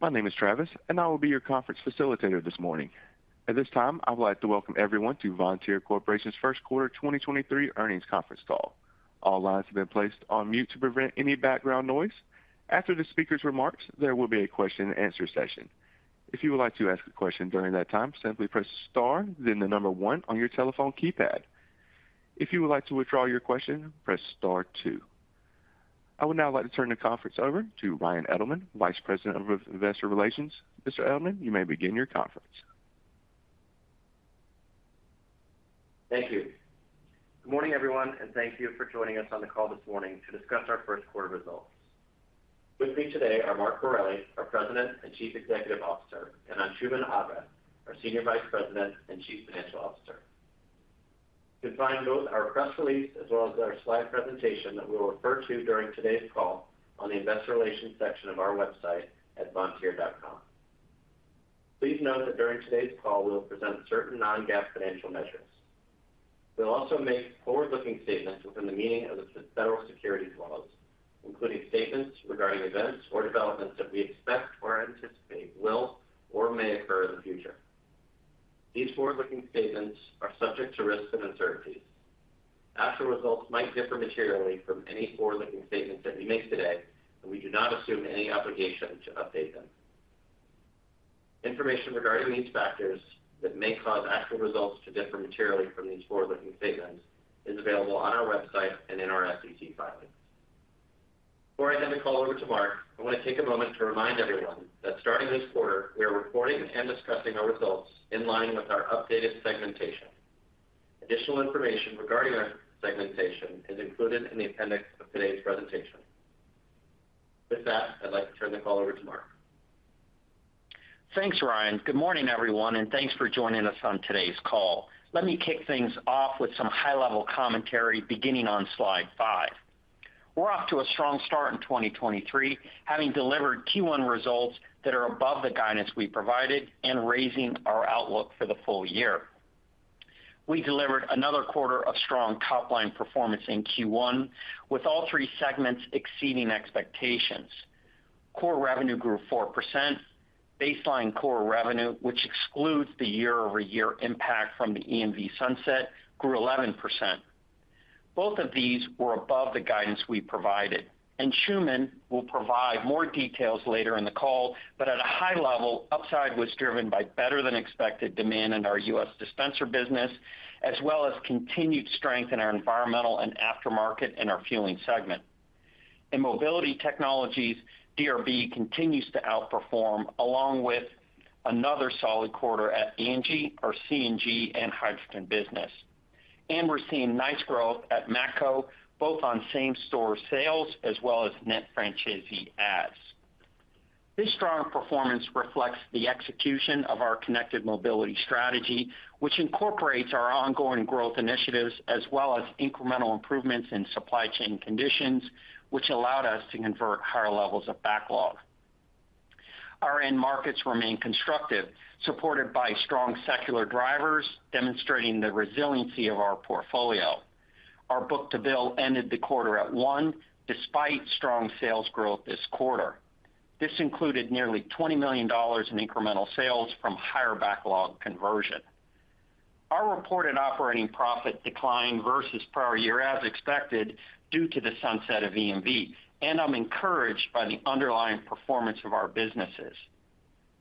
My name is Travis, and I will be your conference facilitator this morning. At this time, I would like to welcome everyone to Vontier Corporation's Q1 2023 earnings conference call. All lines have been placed on mute to prevent any background noise. After the speaker's remarks, there will be a question and answer session. If you would like to ask a question during that time, simply press star then the number one on your telephone keypad. If you would like to withdraw your question, press star two. I would now like to turn the conference over to Ryan Edelman, Vice President of Investor Relations. Mr. Edelman, you may begin your conference. Thank you. Good morning, everyone, thank you for joining us on the call this morning to discuss our Q1 results. With me today are Mark Morelli, our President and Chief Executive Officer, and Anshooman Aga, our Senior Vice President and Chief Financial Officer. You'll find both our press release as well as our slide presentation that we will refer to during today's call on the investor relations section of our website at vontier.com. Please note that during today's call, we will present certain non-GAAP financial measures. We'll also make forward-looking statements within the meaning of the Federal Securities laws, including statements regarding events or developments that we expect or anticipate will or may occur in the future. These forward-looking statements are subject to risks and uncertainties. Actual results might differ materially from any forward-looking statements that we make today, and we do not assume any obligation to update them. Information regarding these factors that may cause actual results to differ materially from these forward-looking statements is available on our website and in our SEC filings. Before I hand the call over to Mark, I want to take a moment to remind everyone that starting this quarter, we are reporting and discussing our results in line with our updated segmentation. Additional information regarding our segmentation is included in the appendix of today's presentation. With that, I'd like to turn the call over to Mark. Thanks, Ryan. Good morning, everyone, and thanks for joining us on today's call. Let me kick things off with some high-level commentary beginning on slide five. We're off to a strong start in 2023, having delivered Q1 results that are above the guidance we provided and raising our outlook for the full year. We delivered another quarter of strong top-line performance in Q1, with all three segments exceeding expectations. Core revenue grew 4%. Baseline core revenue, which excludes the year-over-year impact from the EMV sunset, grew 11%. Both of these were above the guidance we provided. Anshooman will provide more details later in the call. At a high level, upside was driven by better than expected demand in our U.S. dispenser business, as well as continued strength in our environmental and aftermarket in our fueling segment. In Mobility Technologies, DRB continues to outperform along with another solid quarter at ANGI, our CNG and hydrogen business. We're seeing nice growth at Matco, both on same-store sales as well as net franchisee adds. This strong performance reflects the execution of our connected mobility strategy, which incorporates our ongoing growth initiatives as well as incremental improvements in supply chain conditions, which allowed us to convert higher levels of backlog. Our end markets remain constructive, supported by strong secular drivers demonstrating the resiliency of our portfolio. Our book-to-bill ended the quarter at 1 despite strong sales growth this quarter. This included nearly $20 million in incremental sales from higher backlog conversion. Our reported operating profit declined versus prior year as expected due to the sunset of EMV, and I'm encouraged by the underlying performance of our businesses.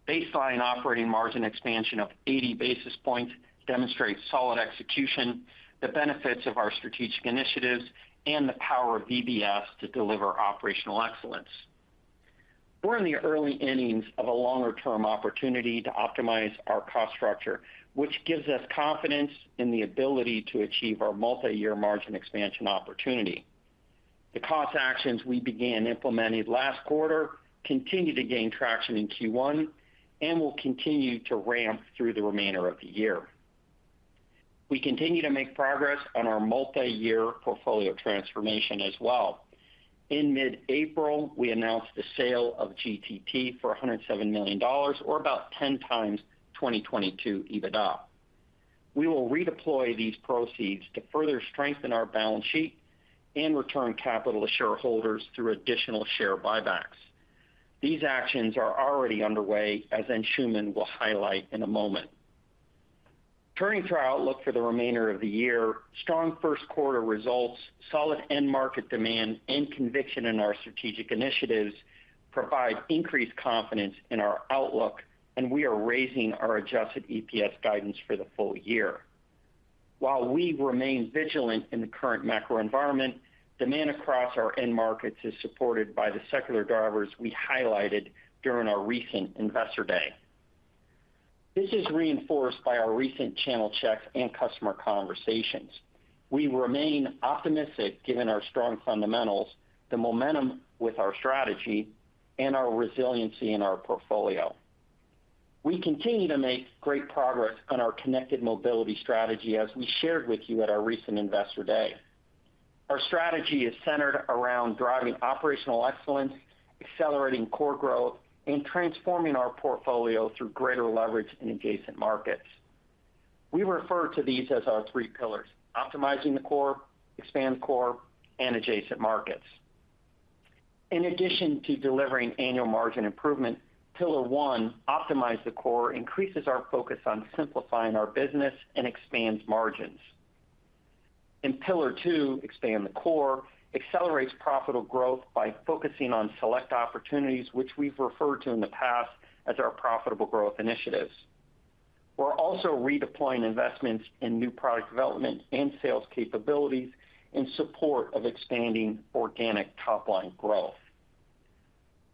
Baseline operating margin expansion of 80 basis points demonstrates solid execution, the benefits of our strategic initiatives, and the power of VBS to deliver operational excellence. We're in the early innings of a longer-term opportunity to optimize our cost structure, which gives us confidence in the ability to achieve our multi-year margin expansion opportunity. The cost actions we began implementing last quarter continue to gain traction in Q1 and will continue to ramp through the remainder of the year. We continue to make progress on our multi-year portfolio transformation as well. In mid-April, we announced the sale of GTT for $107 million or about 10x 2022 EBITDA. We will redeploy these proceeds to further strengthen our balance sheet and return capital to shareholders through additional share buybacks. These actions are already underway, as Anshooman will highlight in a moment. Turning to our outlook for the remainder of the year, strong Q1 results, solid end market demand, and conviction in our strategic initiatives provide increased confidence in our outlook, and we are raising our adjusted EPS guidance for the full year. While we remain vigilant in the current macro environment, demand across our end markets is supported by the secular drivers we highlighted during our recent Investor Day. This is reinforced by our recent channel checks and customer conversations. We remain optimistic given our strong fundamentals, the momentum with our strategy, and our resiliency in our portfolio. We continue to make great progress on our connected mobility strategy as we shared with you at our recent Investor Day. Our strategy is centered around driving operational excellence, accelerating core growth, and transforming our portfolio through greater leverage in adjacent markets. We refer to these as our three pillars, optimizing the core, expand core, and adjacent markets. In addition to delivering annual margin improvement, pillar one, optimize the core, increases our focus on simplifying our business and expands margins. In pillar two, expand the core, accelerates profitable growth by focusing on select opportunities, which we've referred to in the past as our profitable growth initiatives. We're also redeploying investments in new product development and sales capabilities in support of expanding organic top-line growth.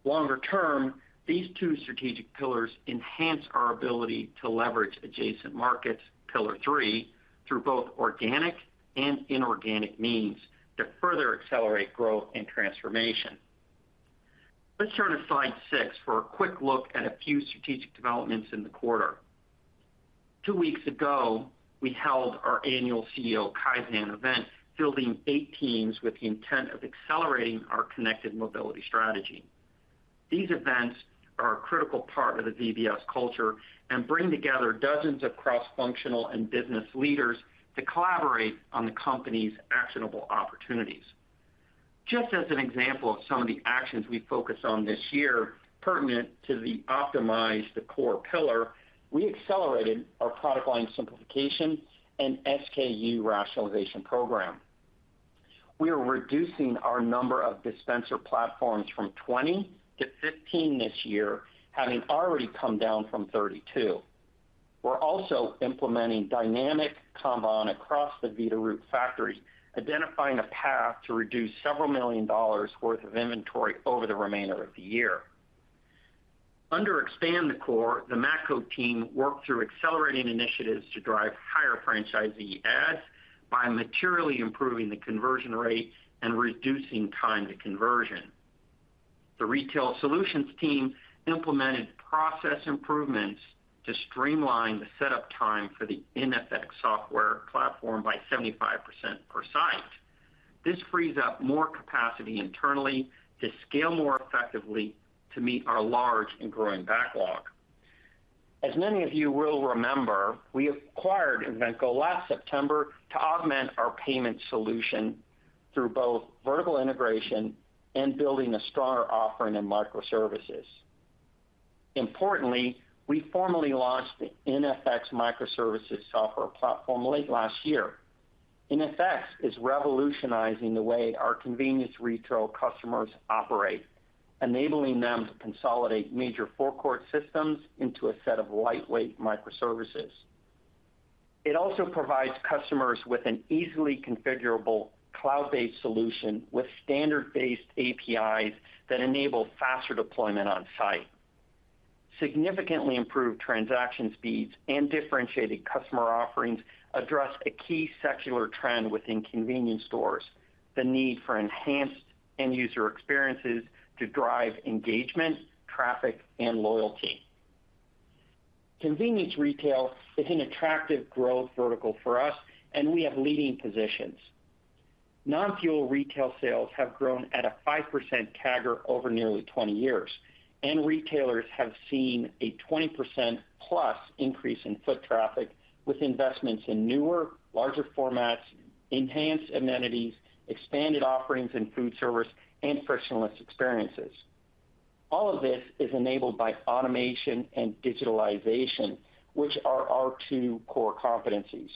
Longer term, these two strategic pillars enhance our ability to leverage adjacent markets, pillar three, through both organic and inorganic means to further accelerate growth and transformation. Let's turn to slide six for a quick look at a few strategic developments in the quarter. Two weeks ago, we held our annual CEO Kaizen event, fielding eight teams with the intent of accelerating our connected mobility strategy. These events are a critical part of the VBS culture and bring together dozens of cross-functional and business leaders to collaborate on the company's actionable opportunities. Just as an example of some of the actions we focused on this year pertinent to the optimize the core pillar, we accelerated our product line simplification and SKU rationalization program. We are reducing our number of dispenser platforms from 20 to 15 this year, having already come down from 32. We're also implementing dynamic Kanban across the Veeder-Root factories, identifying a path to reduce several million dollars worth of inventory over the remainder of the year. Under expand the core, the Matco team worked through accelerating initiatives to drive higher franchisee ads by materially improving the conversion rate and reducing time to conversion. The retail solutions team implemented process improvements to streamline the setup time for the iNFX software platform by 75% per site. This frees up more capacity internally to scale more effectively to meet our large and growing backlog. As many of you will remember, we acquired Invenco last September to augment our payment solution through both vertical integration and building a stronger offering in microservices. Importantly, we formally launched the iNFX microservices software platform late last year. iNFX is revolutionizing the way our convenience retail customers operate, enabling them to consolidate major four-court systems into a set of lightweight microservices. It also provides customers with an easily configurable cloud-based solution with standard-based APIs that enable faster deployment on site. Significantly improved transaction speeds and differentiated customer offerings address a key secular trend within convenience stores, the need for enhanced end-user experiences to drive engagement, traffic, and loyalty. Convenience retail is an attractive growth vertical for us, and we have leading positions. Non-fuel retail sales have grown at a 5% CAGR over nearly 20 years, and retailers have seen a 20%+ increase in foot traffic with investments in newer, larger formats, enhanced amenities, expanded offerings in food service, and frictionless experiences. All of this is enabled by automation and digitalization, which are our two core competencies.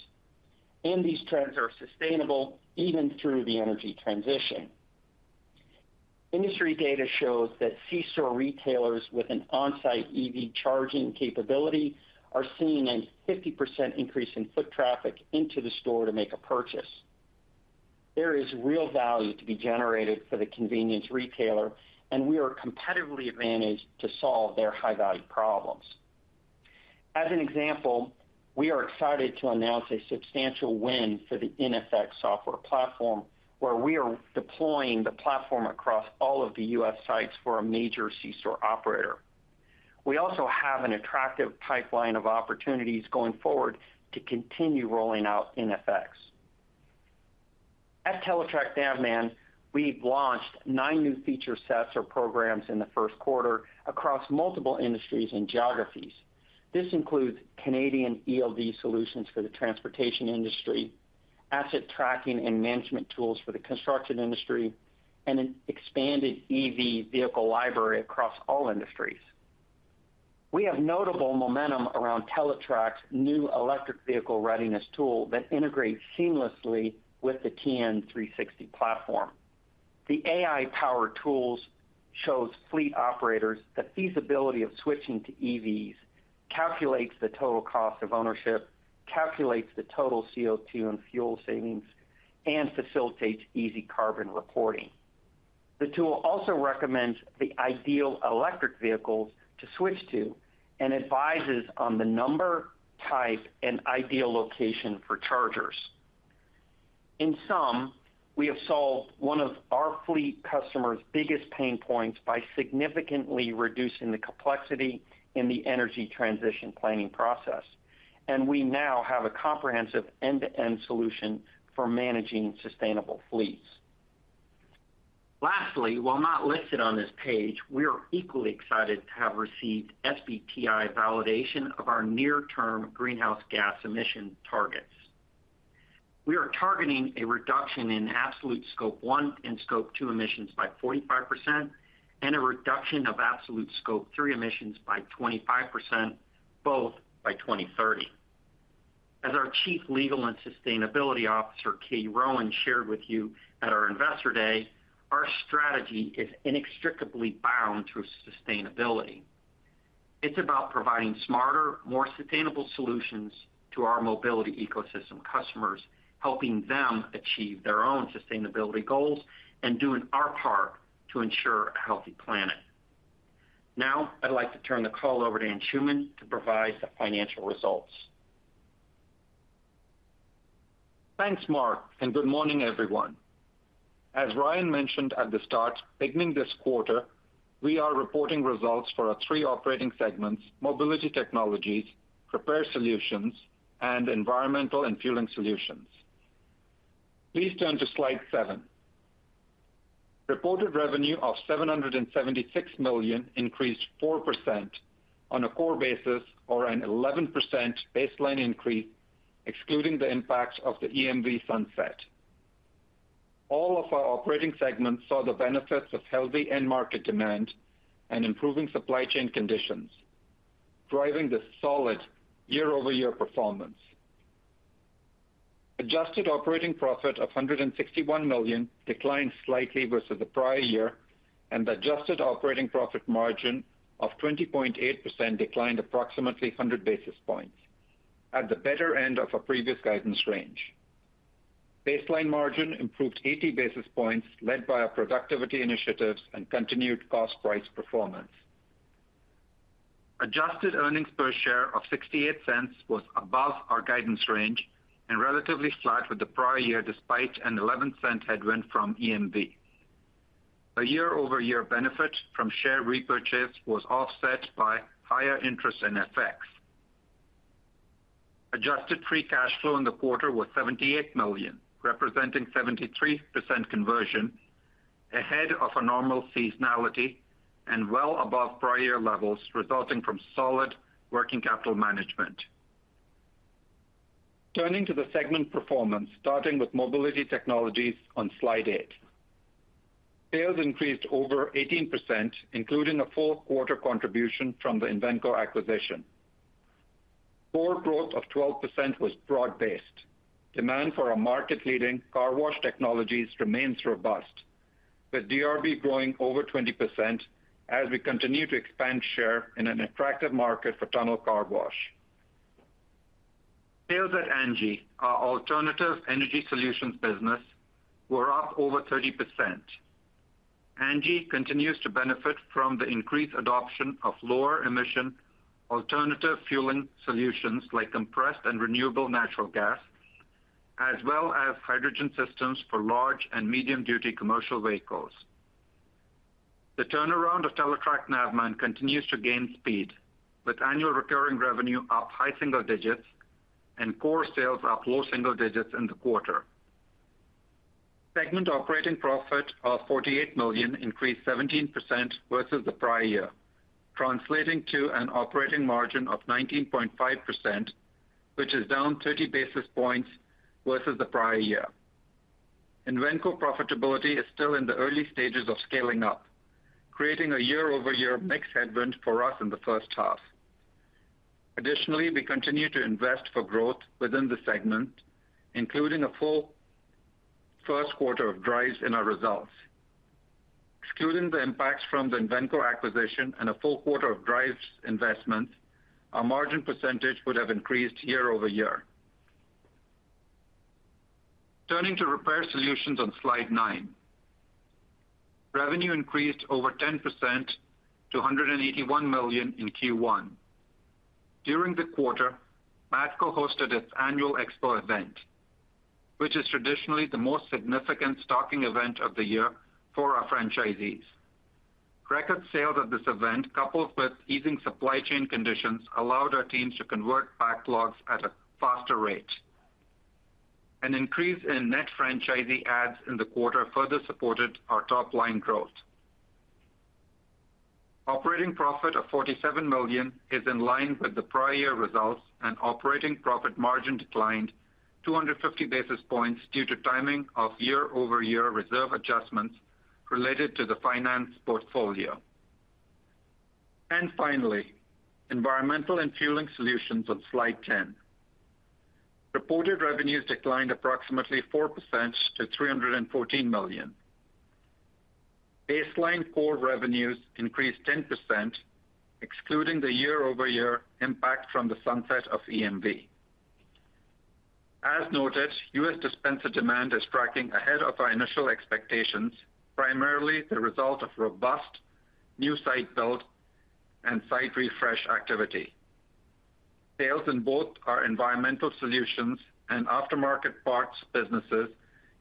These trends are sustainable even through the energy transition. Industry data shows that C-store retailers with an on-site EV charging capability are seeing a 50% increase in foot traffic into the store to make a purchase. There is real value to be generated for the convenience retailer, and we are competitively advantaged to solve their high-value problems. As an example, we are excited to announce a substantial win for the iNFX software platform, where we are deploying the platform across all of the U.S. sites for a major C-store operator. We also have an attractive pipeline of opportunities going forward to continue rolling out iNFX. At Teletrac Navman, we've launched nine new feature sets or programs in the Q1 across multiple industries and geographies. This includes Canadian ELD solutions for the transportation industry, asset tracking and management tools for the construction industry, and an expanded EV vehicle library across all industries. We have notable momentum around Teletrac's new electric vehicle readiness tool that integrates seamlessly with the TN360 platform. The AI-powered tools shows fleet operators the feasibility of switching to EVs, calculates the total cost of ownership, calculates the total CO2 and fuel savings, and facilitates easy carbon reporting. The tool also recommends the ideal electric vehicles to switch to and advises on the number, type, and ideal location for chargers. In sum, we have solved one of our fleet customers' biggest pain points by significantly reducing the complexity in the energy transition planning process, and we now have a comprehensive end-to-end solution for managing sustainable fleets. Lastly, while not listed on this page, we are equally excited to have received SBTi validation of our near-term greenhouse gas emission targets. We are targeting a reduction in absolute Scope 1 and Scope 2 emissions by 45% and a reduction of absolute Scope 3 emissions by 25%, both by 2030. As our Chief Legal and Sustainability Officer, Katie Rowen, shared with you at our Investor Day, our strategy is inextricably bound through sustainability. It's about providing smarter, more sustainable solutions to our mobility ecosystem customers, helping them achieve their own sustainability goals and doing our part to ensure a healthy planet. I'd like to turn the call over to Anshooman to provide the financial results. Thanks, Mark. Good morning, everyone. As Ryan mentioned at the start, beginning this quarter, we are reporting results for our three operating segments: Mobility Technologies, Repair Solutions, and Environmental and Fueling Solutions. Please turn to slide seven. Reported revenue of $776 million increased 4% on a core basis or an 11% baseline increase excluding the impacts of the EMV sunset. All of our operating segments saw the benefits of healthy end market demand and improving supply chain conditions, driving the solid year-over-year performance. Adjusted operating profit of $161 million declined slightly versus the prior year, and adjusted operating profit margin of 20.8% declined approximately 100 basis points at the better end of our previous guidance range. Baseline margin improved 80 basis points led by our productivity initiatives and continued cost price performance. Adjusted earnings per share of $0.68 was above our guidance range and relatively flat with the prior year despite an $0.11 headwind from EMV. A year-over-year benefit from share repurchase was offset by higher interest in FX. Adjusted free cash flow in the quarter was $78 million, representing 73% conversion ahead of a normal seasonality and well above prior levels resulting from solid working capital management. Turning to the segment performance, starting with Mobility Technologies on slide eight. Sales increased over 18%, including a full quarter contribution from the Invenco acquisition. Core growth of 12% was broad-based. Demand for our market-leading car wash technologies remains robust, with DRB growing over 20% as we continue to expand share in an attractive market for tunnel car wash. Sales at ANGI, our alternative energy solutions business, were up over 30%. ANGI continues to benefit from the increased adoption of lower emission alternative fueling solutions like compressed and renewable natural gas, as well as hydrogen systems for large and medium-duty commercial vehicles. The turnaround of Teletrac Navman continues to gain speed, with annual recurring revenue up high single digits and core sales up low single digits in the quarter. Segment operating profit of $48 million increased 17% versus the prior year, translating to an operating margin of 19.5%, which is down 30 basis points versus the prior year. Invenco profitability is still in the early stages of scaling up, creating a year-over-year mix headwind for us in the first half. We continue to invest for growth within the segment, including a full Q1 of Driivz in our results. Excluding the impacts from the Invenco acquisition and a full quarter of Driivz investments, our margin percentage would have increased year-over-year. Turning to Repair Solutions on slide nine. Revenue increased over 10% to $181 million in Q1. During the quarter, Matco hosted its annual expo event, which is traditionally the most significant stocking event of the year for our franchisees. Record sales at this event, coupled with easing supply chain conditions, allowed our teams to convert backlogs at a faster rate. An increase in net franchisee adds in the quarter further supported our top-line growth. Operating profit of $47 million is in line with the prior year results, and operating profit margin declined 250 basis points due to timing of year-over-year reserve adjustments related to the finance portfolio. Finally, Environmental and Fueling Solutions on slide 10. Reported revenues declined approximately 4% to $314 million. Baseline core revenues increased 10%, excluding the year-over-year impact from the sunset of EMV. As noted, U.S. dispenser demand is tracking ahead of our initial expectations, primarily the result of robust new site build and site refresh activity. Sales in both our environmental solutions and aftermarket parts businesses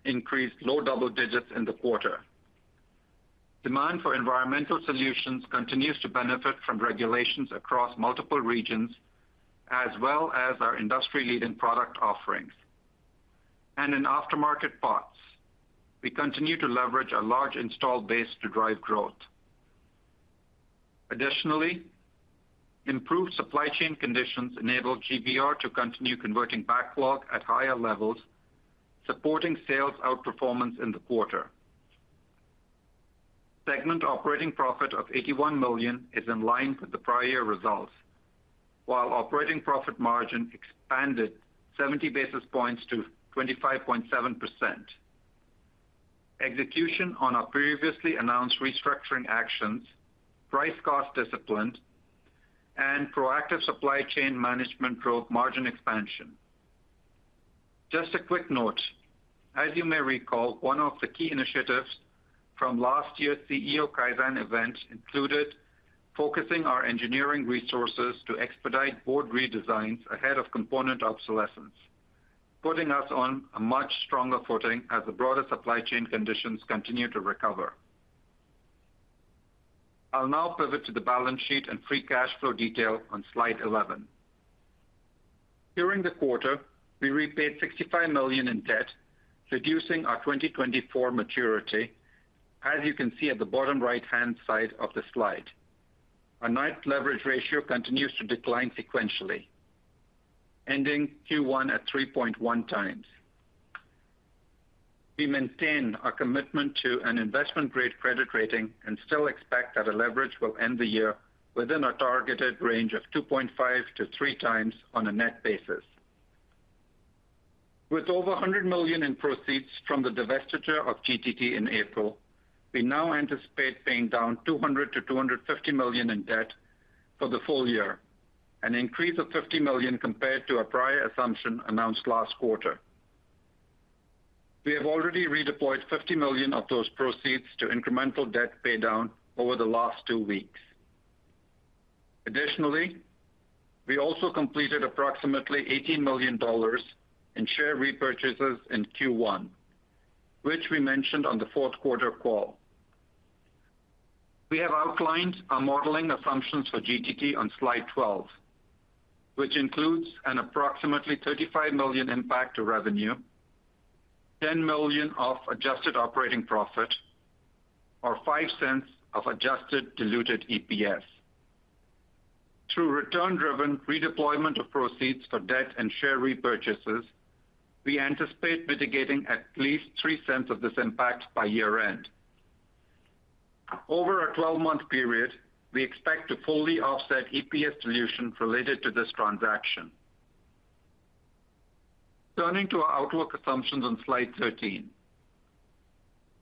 increased low double digits in the quarter. Demand for environmental solutions continues to benefit from regulations across multiple regions. As well as our industry-leading product offerings. In aftermarket parts, we continue to leverage a large installed base to drive growth. Improved supply chain conditions enable GBR to continue converting backlog at higher levels, supporting sales outperformance in the quarter. Segment operating profit of $81 million is in line with the prior year results, while operating profit margin expanded 70 basis points to 25.7%. Execution on our previously announced restructuring actions, price-cost discipline, and proactive supply chain management drove margin expansion. Just a quick note, as you may recall, one of the key initiatives from last year's CEO Kaizen event included focusing our engineering resources to expedite board redesigns ahead of component obsolescence, putting us on a much stronger footing as the broader supply chain conditions continue to recover. I'll now pivot to the balance sheet and free cash flow detail on slide 11. During the quarter, we repaid $65 million in debt, reducing our 2024 maturity, as you can see at the bottom right-hand side of the slide. Our net leverage ratio continues to decline sequentially, ending Q1 at 3.1x. We maintain our commitment to an investment-grade credit rating and still expect that our leverage will end the year within our targeted range of 2.5x-3x on a net basis. With over $100 million in proceeds from the divestiture of GTT in April, we now anticipate paying down $200 million-$250 million in debt for the full year, an increase of $50 million compared to our prior assumption announced last quarter. We have already redeployed $50 million of those proceeds to incremental debt paydown over the last two weeks. We also completed approximately $18 million in share repurchases in Q1, which we mentioned on the Q4 call. We have outlined our modeling assumptions for GTT on slide 12, which includes an approximately $35 million impact to revenue, $10 million of adjusted operating profit, or $0.05 of adjusted diluted EPS. Through return-driven redeployment of proceeds for debt and share repurchases, we anticipate mitigating at least $0.03 of this impact by year-end. Over a 12-month period, we expect to fully offset EPS dilution related to this transaction. Turning to our outlook assumptions on slide 13.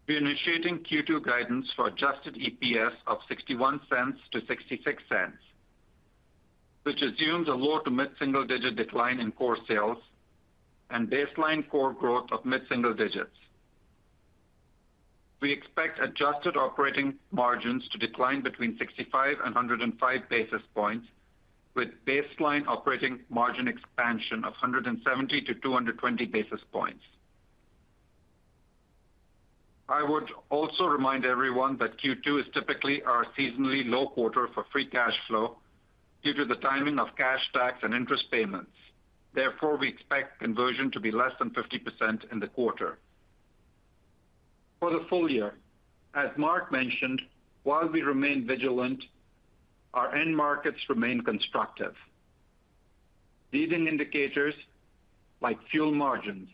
We're initiating Q2 guidance for adjusted EPS of $0.61-$0.66, which assumes a low- to mid-single-digit decline in core sales and baseline core growth of mid-single digits. We expect adjusted operating margins to decline between 65 and 105 basis points, with baseline operating margin expansion of 170 to 220 basis points. I would also remind everyone that Q2 is typically our seasonally low quarter for free cash flow due to the timing of cash tax and interest payments. We expect conversion to be less than 50% in the quarter. For the full year, as Mark mentioned, while we remain vigilant, our end markets remain constructive. Leading indicators like fuel margins,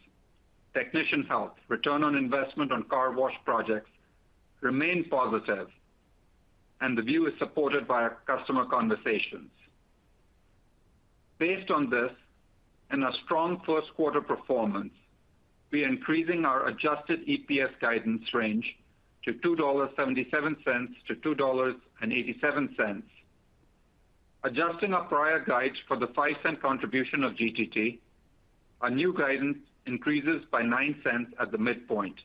technician health, return on investment on car wash projects remain positive. The view is supported by our customer conversations. Based on this and our strong Q1 performance, we are increasing our adjusted EPS guidance range to $2.77-$2.87. Adjusting our prior guides for the $0.05 contribution of GTT, our new guidance increases by $0.09 at the midpoint,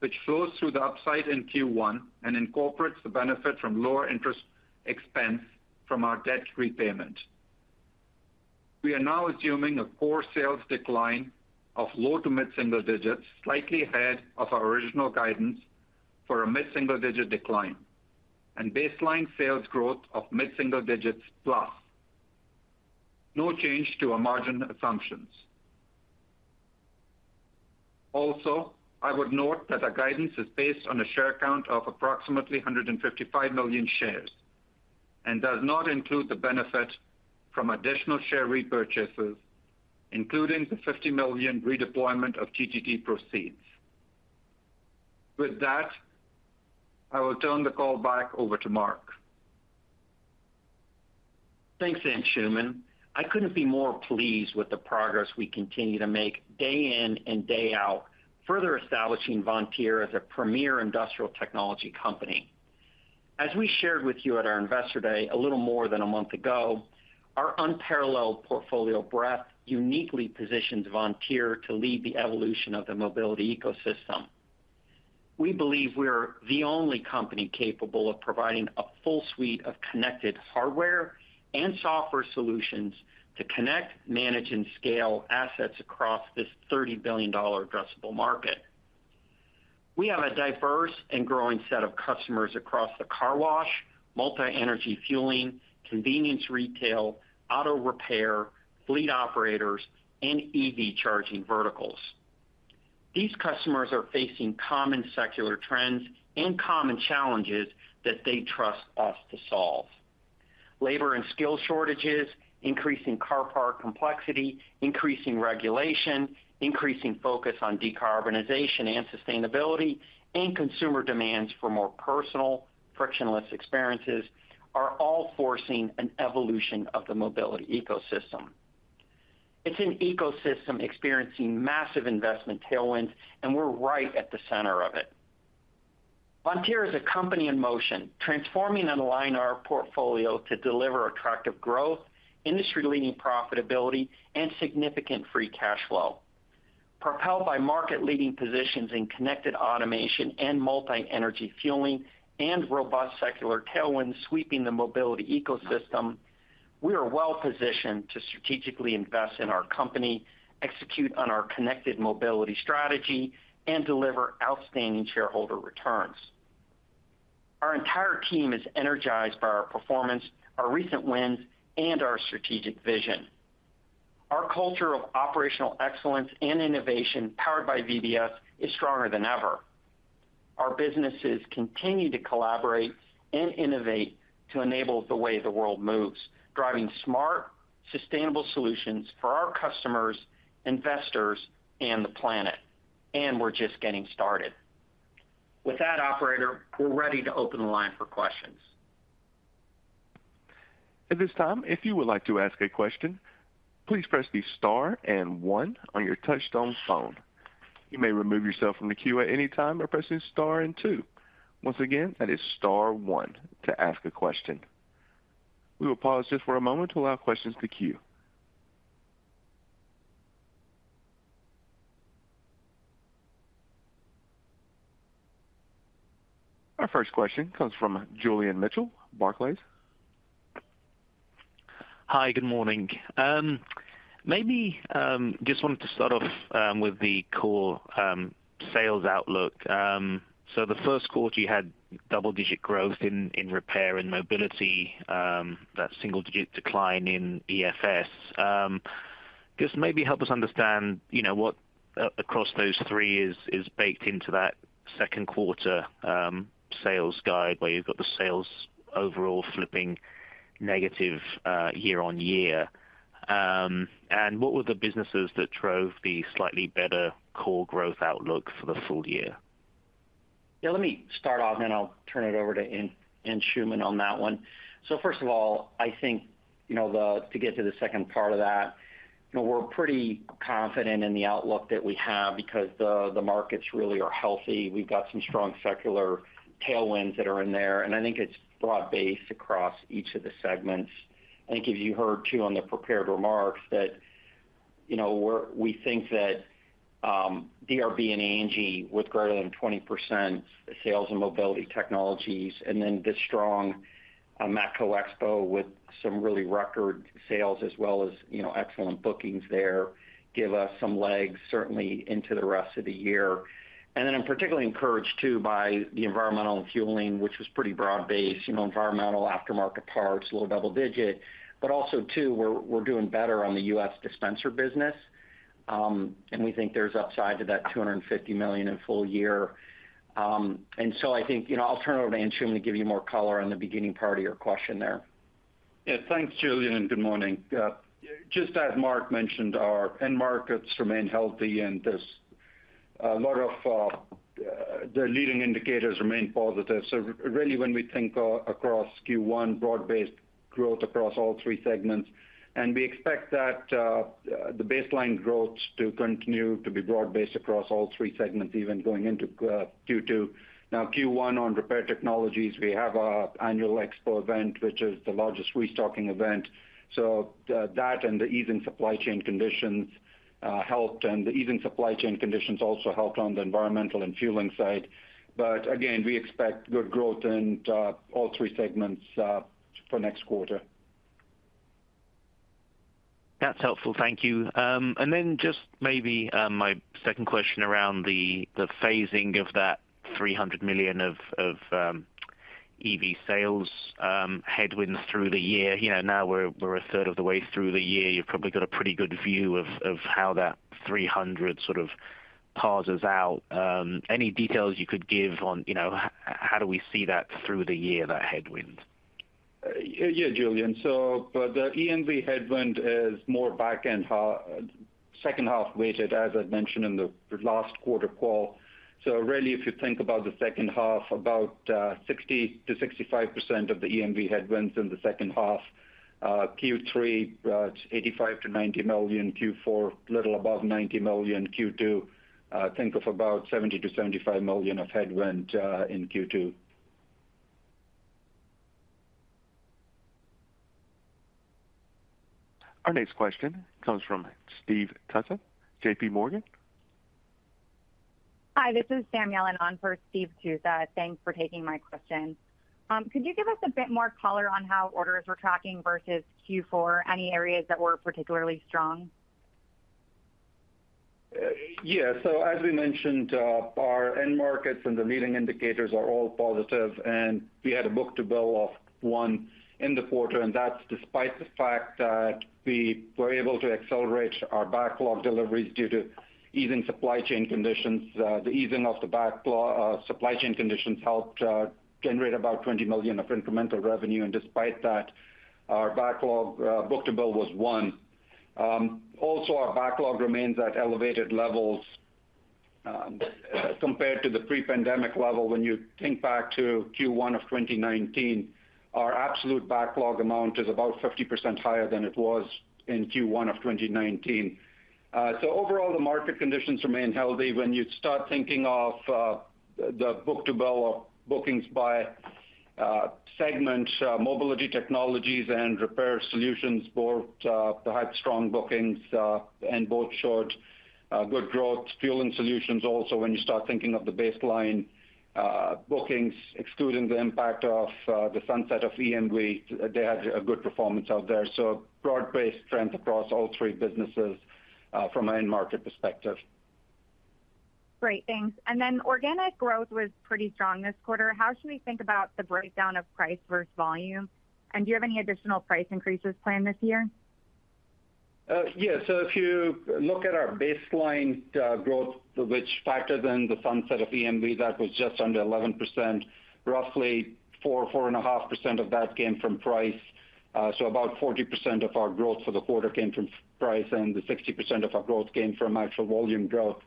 which flows through the upside in Q1 and incorporates the benefit from lower interest expense from our debt repayment. We are now assuming a core sales decline of low to mid-single digits, slightly ahead of our original guidance for a mid-single-digit decline, and baseline sales growth of mid-single digits plus. No change to our margin assumptions. I would note that our guidance is based on a share count of approximately 155 million shares and does not include the benefit from additional share repurchases, including the $50 million redeployment of GTT proceeds. With that, I will turn the call back over to Mark. Thanks, Anshooman. I couldn't be more pleased with the progress we continue to make day in and day out, further establishing Vontier as a premier industrial technology company. As we shared with you at our Investor Day a little more than a month ago, our unparalleled portfolio breadth uniquely positions Vontier to lead the evolution of the mobility ecosystem. We believe we are the only company capable of providing a full suite of connected hardware and software solutions to connect, manage, and scale assets across this $30 billion addressable market. We have a diverse and growing set of customers across the car wash, multi-energy fueling, convenience retail, auto repair, fleet operators, and EV charging verticals. These customers are facing common secular trends and common challenges that they trust us to solve. Labor and skill shortages, increasing car part complexity, increasing regulation, increasing focus on decarbonization and sustainability, and consumer demands for more personal frictionless experiences are all forcing an evolution of the mobility ecosystem. It's an ecosystem experiencing massive investment tailwinds, and we're right at the center of it. Vontier is a company in motion, transforming and aligning our portfolio to deliver attractive growth, industry-leading profitability and significant free cash flow. Propelled by market leading positions in connected automation and multi-energy fueling and robust secular tailwinds sweeping the mobility ecosystem, we are well positioned to strategically invest in our company, execute on our connected mobility strategy and deliver outstanding shareholder returns. Our entire team is energized by our performance, our recent wins and our strategic vision. Our culture of operational excellence and innovation powered by VBS is stronger than ever. Our businesses continue to collaborate and innovate to enable the way the world moves, driving smart, sustainable solutions for our customers, investors and the planet. We're just getting started. With that operator, we're ready to open the line for questions. At this time, if you would like to ask a question, please press the star and one on your touchtone phone. You may remove yourself from the queue at any time by pressing star and two. Once again, that is star one to ask a question. We will pause just for a moment to allow questions to queue. Our first question comes from Julian Mitchell, Barclays. Hi, good morning. Maybe, just wanted to start off with the core sales outlook. The Q1 you had double-digit growth in repair and mobility, that single-digit decline in EFS. Just maybe help us understand, you know, what across those three is baked into that Q2 sales guide where you've got the sales overall flipping negative year-on-year. What were the businesses that drove the slightly better core growth outlook for the full year? Yeah, let me start off, then I'll turn it over to Anshooman Aga on that one. First of all, I think, you know, to get to the second part of that, you know, we're pretty confident in the outlook that we have because the markets really are healthy. We've got some strong secular tailwinds that are in there and I think it's broad-based across each of the segments. I think as you heard too on the prepared remarks that, you know, we think that DRB and ANGI with greater than 20% sales and Mobility Technologies and then the strong Matco Expo with some really record sales as well as, you know, excellent bookings there give us some legs certainly into the rest of the year. I'm particularly encouraged too by the Environmental & Fueling Solutions, which was pretty broad-based, you know, environmental aftermarket parts, a little double digit, but also too we're doing better on the U.S. dispenser business, and we think there's upside to that $250 million in full year. I think, you know, I'll turn it over to Anshooman to give you more color on the beginning part of your question there. Thanks Julian and good morning. Just as Mark mentioned, our end markets remain healthy and there's a lot of the leading indicators remain positive. When we think across Q1, broad-based growth across all three segments and we expect that the baseline growth to continue to be broad-based across all three segments even going into Q2. Q1 on Repair Solutions, we have our Matco Expo event which is the largest restocking event. That and the ease in supply chain conditions helped and the ease in supply chain conditions also helped on the Environmental & Fueling Solutions side. Again, we expect good growth in all three segments for next quarter. That's helpful. Thank you. Just maybe, my second question around the phasing of that $300 million of EV sales headwinds through the year. You know, now we're a third of the way through the year. You've probably got a pretty good view of how that $300 sort of parses out. Any details you could give on, you know, how do we see that through the year, that headwind? Yeah, Julian. The EMV headwind is more back end second half weighted as I mentioned in the last quarter call. Really if you think about the second half, about 60% to 65% of the EMV headwinds in the second half. Q3, $85 million to $90 million. Q4 little above $90 million. Q2, think of about $70 million to $75 million of headwind in Q2. Our next question comes from Steve Tusa, JPMorgan. Hi, this is Sam Yellen on for Steve Tusa. Thanks for taking my question. Could you give us a bit more color on how orders were tracking versus Q4? Any areas that were particularly strong? Yeah. As we mentioned, our end markets and the leading indicators are all positive, and we had a book-to-bill of one in the quarter, and that's despite the fact that we were able to accelerate our backlog deliveries due to easing supply chain conditions. The easing of the supply chain conditions helped generate about $20 million of incremental revenue. Despite that, our backlog book-to-bill was one. Also our backlog remains at elevated levels compared to the pre-pandemic level. When you think back to Q1 of 2019, our absolute backlog amount is about 50% higher than it was in Q1 of 2019. Overall, the market conditions remain healthy. When you start thinking of the book-to-bill, bookings by segment, Mobility Technologies and Repair Solutions both had strong bookings, and both showed good growth. Fueling Solutions also, when you start thinking of the baseline bookings, excluding the impact of the sunset of EMV, they had a good performance out there. Broad-based strength across all three businesses from an end market perspective. Great, thanks. Organic growth was pretty strong this quarter. How should we think about the breakdown of price versus volume? Do you have any additional price increases planned this year? Yeah. If you look at our baseline growth, which factors in the sunset of EMV, that was just under 11%. Roughly 4.5% of that came from price so about 40% of our growth for the quarter came from price, and the 60% of our growth came from actual volume growth.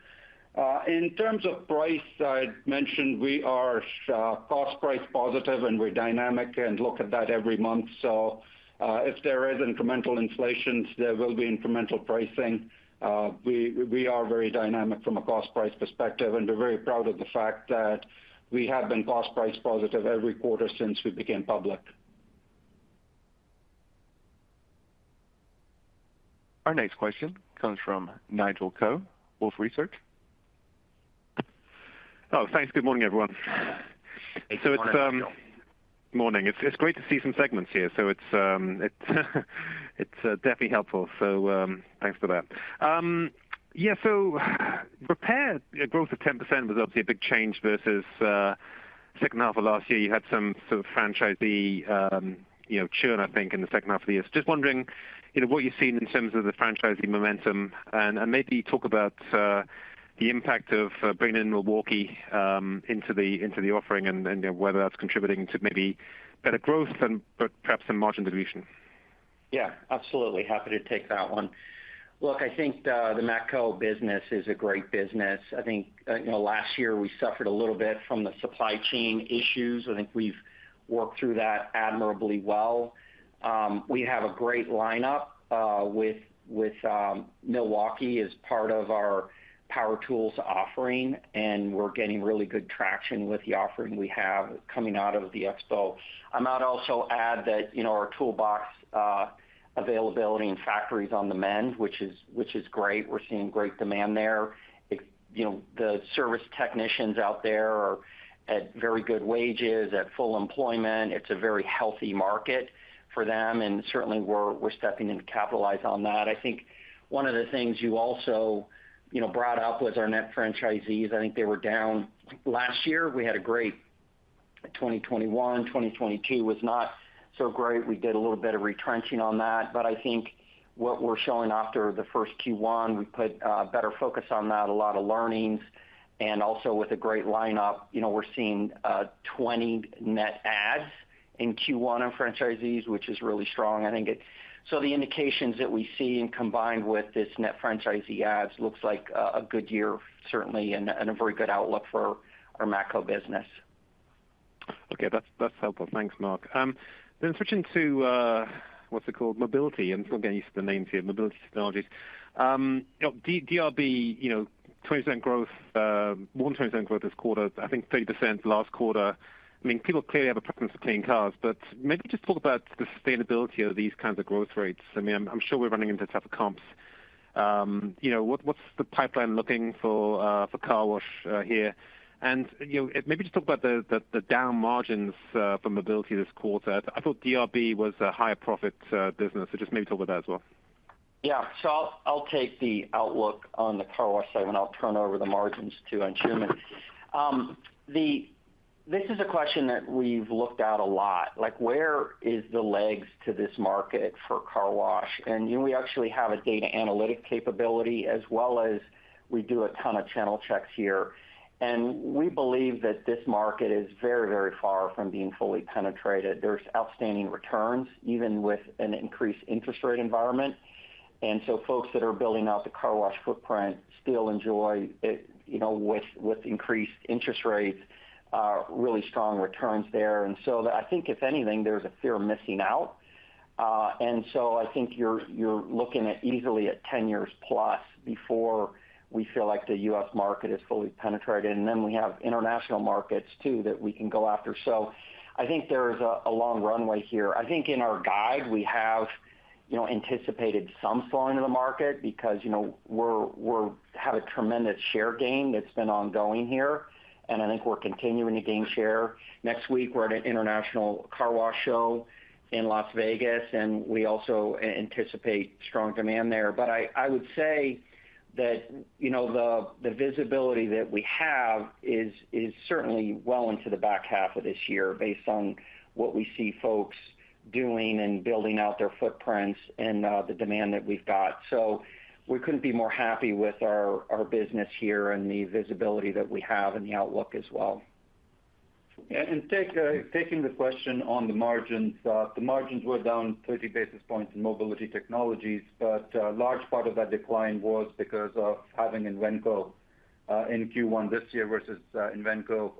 In terms of price, I'd mentioned we are cost price positive, and we're dynamic and look at that every month so if there is incremental inflations, there will be incremental pricing. We are very dynamic from a cost price perspective, and we're very proud of the fact that we have been cost price positive every quarter since we became public. Our next question comes from Nigel Coe, Wolfe Research. Oh, thanks. Good morning, everyone. Good morning, Nigel. Morning. It's great to see some segments here. It's definitely helpful. Thanks for that. Yeah, repair growth of 10% was obviously a big change versus H2 of last year. You had some sort of franchisee, you know, churn, I think, in the second half of the year. Just wondering, you know, what you're seeing in terms of the franchisee momentum and maybe talk about the impact of bringing in Milwaukee into the offering and whether that's contributing to maybe better growth but perhaps some margin dilution. Absolutely. Happy to take that one. Look, I think the Matco business is a great business. I think, you know, last year we suffered a little bit from the supply chain issues. I think we've worked through that admirably well. We have a great lineup with Milwaukee as part of our power tools offering, and we're getting really good traction with the offering we have coming out of the expo. I might also add that, you know, our toolbox availability and factory's on the mend, which is, which is great. We're seeing great demand there. You know, the service technicians out there are at very good wages, at full employment. It's a very healthy market for them, and certainly we're stepping in to capitalize on that. I think one of the things you also, you know, brought up was our net franchisees. I think they were down last year. We had a great 2021. 2022 was not so great. We did a little bit of retrenching on that. I think what we're showing after the first Q1, we put better focus on that, a lot of learnings and also with a great lineup. You know, we're seeing 20 net adds in Q1 on franchisees, which is really strong. I think the indications that we see and combined with this net franchisee adds looks like a good year certainly and a very good outlook for our Matco business. Okay. That's helpful. Thanks, Mark. Switching to what's it called? Mobility. I'm still getting used to the names here. Mobility Technologies. You know, DRB, you know, 20% growth, more than 20% growth this quarter, I think 30% last quarter. I mean, people clearly have a preference for clean cars. Maybe just talk about the sustainability of these kinds of growth rates. I mean, I'm sure we're running into tougher comps. You know, what's the pipeline looking for for car wash here? You know, maybe just talk about the down margins for Mobility this quarter. I thought DRB was a higher profit business. Just maybe talk about that as well. Yeah. I'll take the outlook on the car wash side, and I'll turn over the margins to Anshooman. This is a question that we've looked at a lot, like where is the legs to this market for car wash? You know, we actually have a data analytic capability as well as we do a ton of channel checks here. We believe that this market is very, very far from being fully penetrated. There's outstanding returns, even with an increased interest rate environment. Folks that are building out the car wash footprint still enjoy, it, you know, with increased interest rates, really strong returns there. I think if anything, there's a fear of missing out. I think you're looking at easily at 10+ years before we feel like the U.S. market is fully penetrated. Then we have international markets too that we can go after. I think there is a long runway here. I think in our guide, we have, you know, anticipated some slowing of the market because, you know, we have a tremendous share gain that's been ongoing here, and I think we're continuing to gain share. Next week, we're at an international car wash show in Las Vegas, and we also anticipate strong demand there. I would say that, you know, the visibility that we have is certainly well into the back half of this year based on what we see folks doing and building out their footprints and the demand that we've got. We couldn't be more happy with our business here and the visibility that we have and the outlook as well. Yeah. Taking the question on the margins. The margins were down 30 basis points in Mobility Technologies, but a large part of that decline was because of having Invenco in Q1 this year versus Invenco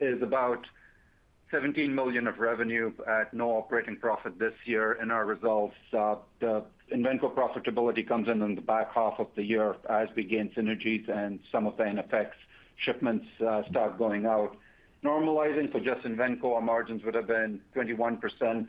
is about $17 million of revenue at no operating profit this year in our results. The Invenco profitability comes in in the back half of the year as we gain synergies and some of the iNFX shipments start going out. Normalizing for just Invenco, our margins would have been 21%.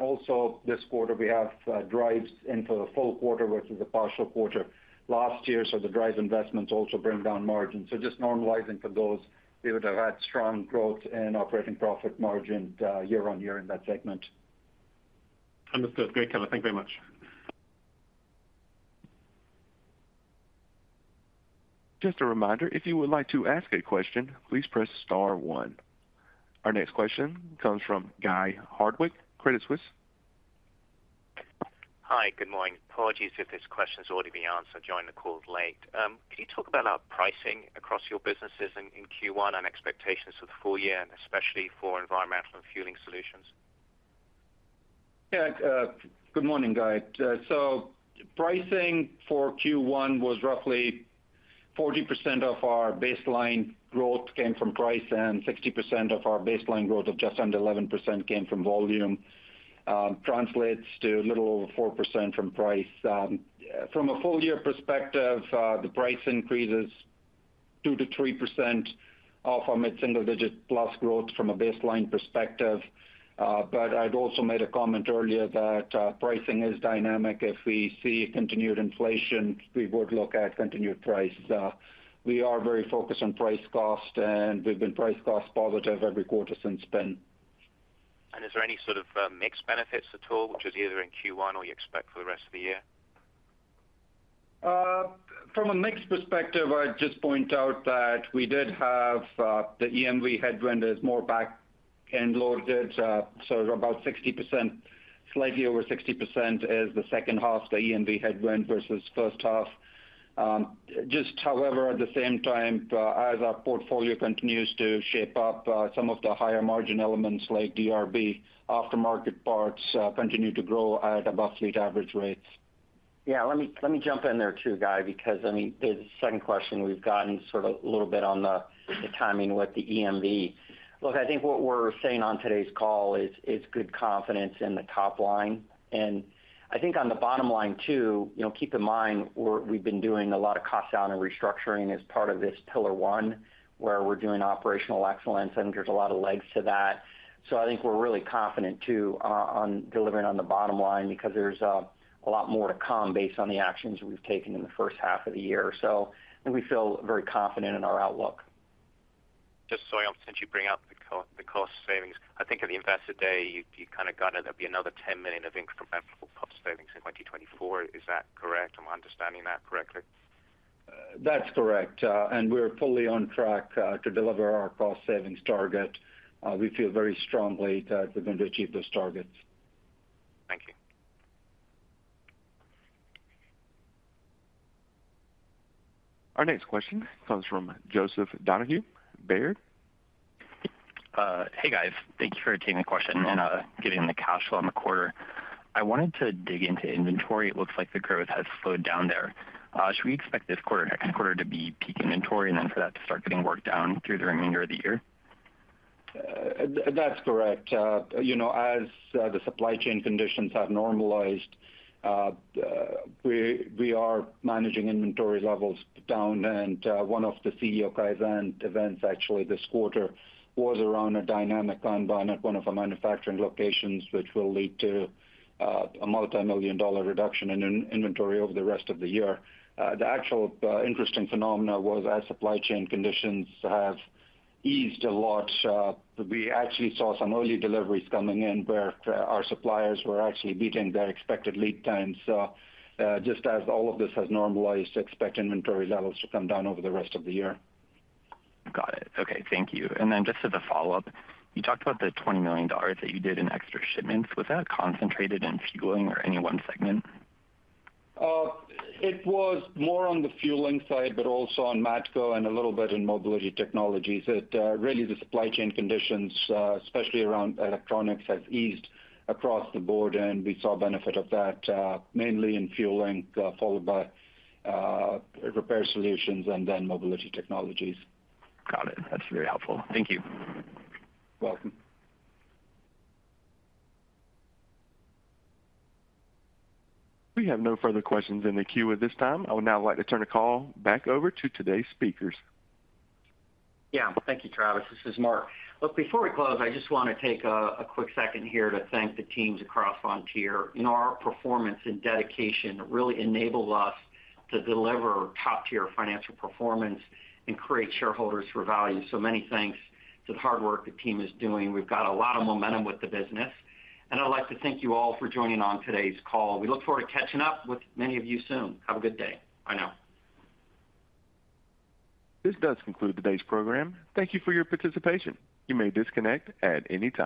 Also this quarter we have Driivz into the full quarter versus the partial quarter last year. The Driivz investments also bring down margins. Just normalizing for those, we would have had strong growth in operating profit margin year-on-year in that segment. Understood. Great color. Thank you very much. Just a reminder, if you would like to ask a question, please press star one. Our next question comes from Guy Hardwick, Credit Suisse. Hi. Good morning. Apologies if this question has already been answered. Joined the call late. Can you talk about pricing across your businesses in Q1 and expectations for the full year, especially for Environmental & Fueling Solutions? Yeah, good morning, Guy. pricing for Q1 was roughly 40% of our baseline growth came from price, and 60% of our baseline growth of just under 11% came from volume translates to a little over 4% from price from a full year perspective, the price increase is 2%-3% off our mid-single digit plus growth from a baseline perspective. I'd also made a comment earlier that pricing is dynamic. If we see continued inflation, we would look at continued price. We are very focused on price cost, and we've been price cost positive every quarter since then. Is there any sort of, mixed benefits at all, which is either in Q1 or you expect for the rest of the year? From a mix perspective, I'd just point out that we did have, the EMV headwind is more back-end loaded, so about 60%. Slightly over 60% is the second half, the EMV headwind versus first half. Just however, at the same time, as our portfolio continues to shape up, some of the higher margin elements like DRB aftermarket parts, continue to grow at above fleet average rates. Yeah, let me jump in there too, Guy, because, I mean, the second question we've gotten sort of a little bit on the timing with the EMV. Look, I think what we're saying on today's call is good confidence in the top line. I think on the bottom line, too, you know, keep in mind we've been doing a lot of cost down and restructuring as part of this pillar one where we're doing operational excellence, and there's a lot of legs to that. I think we're really confident, too, on delivering on the bottom line because there's a lot more to come based on the actions we've taken in the first half of the year. I think we feel very confident in our outlook. Just so I understand, you bring up the cost savings. I think at the investor day, you kind of guided there'll be another $10 million of incremental cost savings in 2024. Is that correct? Am I understanding that correctly? That's correct. We're fully on track, to deliver our cost savings target. We feel very strongly that we're going to achieve those targets. Thank you. Our next question comes from Joseph Donahue, Baird. Hey, guys. Thank you for taking the question and giving the cash flow on the quarter. I wanted to dig into inventory. It looks like the growth has slowed down there. Should we expect this quarter and next quarter to be peak inventory and then for that to start getting worked down through the remainder of the year? That's correct. You know, as the supply chain conditions have normalized, we are managing inventory levels down. One of the CEO events actually this quarter was around a dynamic Kanban at one of our manufacturing locations, which will lead to a multimillion-dollar reduction in inventory over the rest of the year. The actual interesting phenomena was as supply chain conditions have eased a lot, we actually saw some early deliveries coming in where our suppliers were actually beating their expected lead times. Just as all of this has normalized, expect inventory levels to come down over the rest of the year. Got it. Okay. Thank you. Just as a follow-up, you talked about the $20 million that you did in extra shipments. Was that concentrated in fueling or any one segment? It was more on the Fueling side, but also on Matco and a little bit in Mobility Technologies. It really the supply chain conditions, especially around electronics, have eased across the board, and we saw benefit of that, mainly in Fueling, followed by Repair Solutions and then Mobility Technologies. Got it. That's very helpful. Thank you. Welcome. We have no further questions in the queue at this time. I would now like to turn the call back over to today's speakers. Yeah. Thank you, Travis. This is Mark. Look, before we close, I just wanna take a quick second here to thank the teams across Vontier. You know, our performance and dedication really enable us to deliver top-tier financial performance and create shareholders for value. Many thanks to the hard work the team is doing. We've got a lot of momentum with the business, and I'd like to thank you all for joining on today's call. We look forward to catching up with many of you soon. Have a good day. Bye now. This does conclude today's program. Thank you for your participation. You may disconnect at any time.